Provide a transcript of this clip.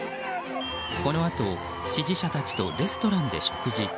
このあと支持者たちとレストランで食事。